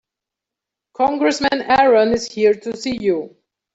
Congressman Aaron is here to see you.